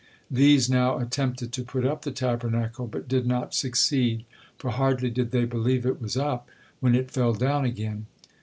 These now attempted to put up the Tabernacle, but did not succeed, for hardly did they believe it was up, when it fell down again.